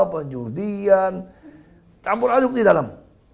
penjudian campur aduk di dalam